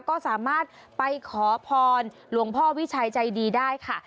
ก็สามารถไปขอพรหลวงพ่อวิชัยใจดีได้ค่ะ